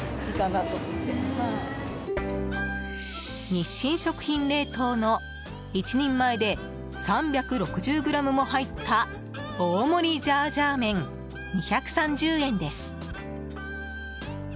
日清食品冷凍の１人前で３６０ｇも入った大盛りジャージャー麺２３０円です。